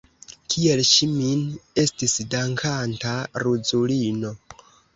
Kiel ŝi min estis dankanta, ruzulino!